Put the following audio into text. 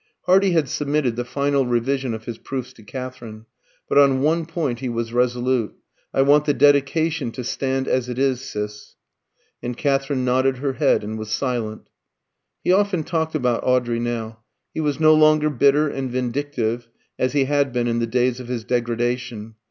Hardy had submitted the final revision of his proofs to Katherine. But on one point he was resolute: "I want the dedication to stand as it is, Sis." And Katherine nodded her head and was silent. He often talked about Audrey now. He was no longer bitter and vindictive, as he had been in the days of his degradation.